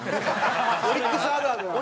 オリックスあるあるなの？